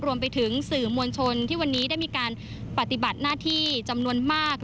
รวมไปถึงสื่อมวลชนที่วันนี้ได้มีการปฏิบัติหน้าที่จำนวนมาก